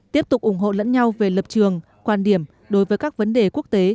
tiếp tục ủng hộ lẫn nhau về lập trường quan điểm đối với các vấn đề quốc tế